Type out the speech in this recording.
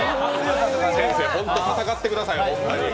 先生、本当戦ってください、本当に。